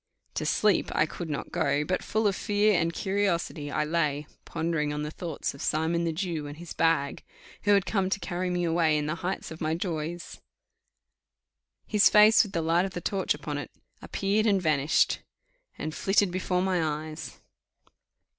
To sleep I could not go, but full of fear and curiosity I lay, pondering on the thoughts of Simon the Jew and his bag, who had come to carry me away in the height of my joys. His face with the light of the torch upon it appeared and vanished, and flitted before my eyes.